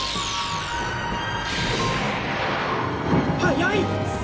速い！